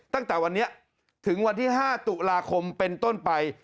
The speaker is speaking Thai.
ตั้งแต่วันนี้ถึงวันที่๕ตุลาคมเป็นต้นไป